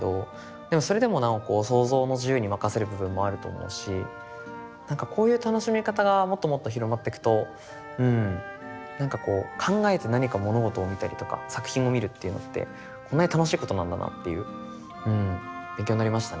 でもそれでもなお想像の自由に任せる部分もあると思うしなんかこういう楽しみ方がもっともっと広まってくとなんかこう考えて何か物事を見たりとか作品を見るっていうのってこんなに楽しいことなんだなっていう勉強になりましたね。